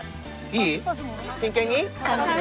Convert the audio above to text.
いい？